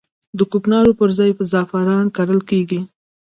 د کوکنارو پر ځای زعفران کرل کیږي